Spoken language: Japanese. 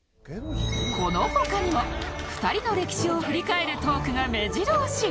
この他にも２人の歴史を振り返るトークが目白押し！